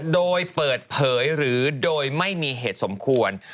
โดยเปิดเผยหรือโดยไม่มีเหตุสมควร